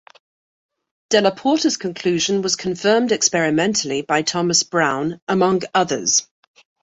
Della Porta's conclusion was confirmed experimentally by Thomas Browne, among others.